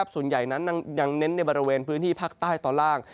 ส่วนใหญ่นั้นยังเน้นในบริเวณพื้นที่ภาคใต้ตอนล่าง